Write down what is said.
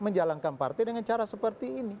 menjalankan partai dengan cara seperti ini